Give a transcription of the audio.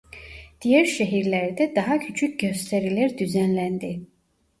Diğer şehirlerde daha küçük gösteriler düzenlendi.